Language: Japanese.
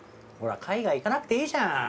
ほら海外行かなくていいじゃん。